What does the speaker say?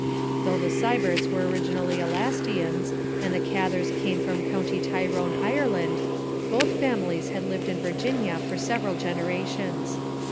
Though the Siberts were orig inally Alsatians, and the Gathers came from County Tyrone, Ireland, both families had lived in Virginia for several generations.